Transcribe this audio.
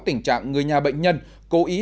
tình trạng người nhà bệnh nhân cố ý